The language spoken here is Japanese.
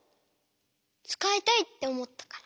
つかいたいっておもったから。